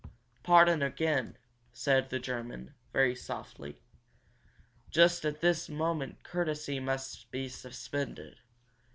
"Pardon again," said the German, very softly. "Just at this moment courtesy must be suspended.